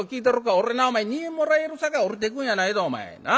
俺なお前二円もらえるさかい下りていくんやないぞお前。